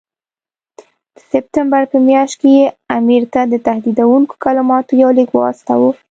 د سپټمبر په میاشت کې یې امیر ته د تهدیدوونکو کلماتو یو لیک واستاوه.